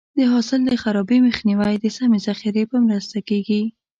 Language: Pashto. د حاصل د خرابي مخنیوی د سمې ذخیرې په مرسته کېږي.